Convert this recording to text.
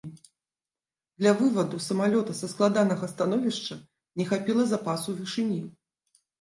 Для вываду самалёта са складанага становішча не хапіла запасу вышыні.